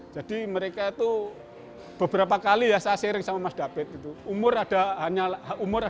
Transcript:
jadi mereka itu beberapa kali ya saya sharing sama mas david umur adalah hanya catatan angka